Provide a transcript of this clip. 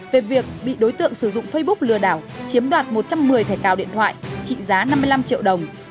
về việc bị đối tượng sử dụng facebook lừa đảo chiếm đoạt một trăm một mươi thẻ cào điện thoại trị giá năm mươi năm triệu đồng